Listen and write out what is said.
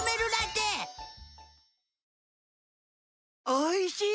おいしい！